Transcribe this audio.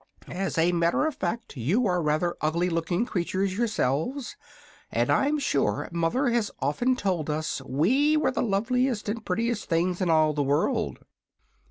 "As a matter of fact you are rather ugly looking creatures yourselves, and I'm sure mother has often told us we were the loveliest and prettiest things in all the world."